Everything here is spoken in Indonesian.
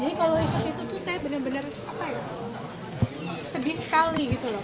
jadi kalau itu saya benar benar sedih sekali gitu loh